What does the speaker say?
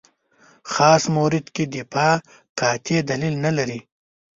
خاص مورد کې دفاع قاطع دلیل نه لري.